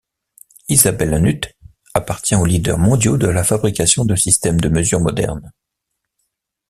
Isabellenhütte appartient aux leaders mondiaux de la fabrication de systèmes de mesure modernes.